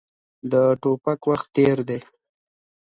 د ټوپک وخت تېر دی.